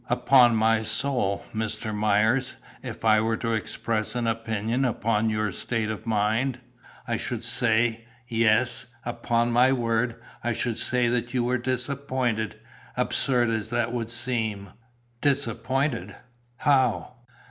"Upon my soul, Mr. Myers, if I were to express an opinion upon your state of mind, I should say yes, upon my word I should say that you were disappointed, absurd as that would seem." "Disappointed how?"